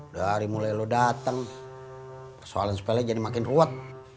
dari mulai lo dateng persoalan spellnya jadi makin ruwet